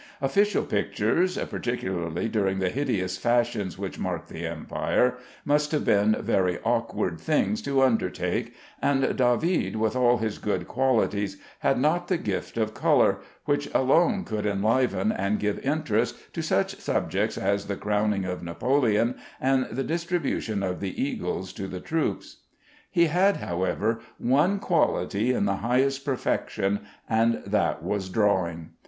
Official pictures, particularly during the hideous fashions which marked the Empire, must have been very awkward things to undertake, and David, with all his good qualities, had not the gift of color, which alone could enliven and give interest to such subjects as the crowning of Napoleon and the distribution of the eagles to the troops. He had, however, one quality in the highest perfection, and that was drawing.